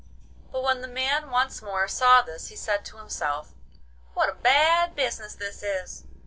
But when the man once more saw this he said to himself, 'What a bad business this is!